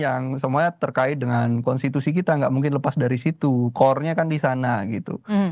yang semuanya terkait dengan konstitusi kita gak mungkin lepas dari situ corenya kan disana gitu